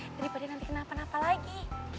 daripada nanti kena apa apa lagi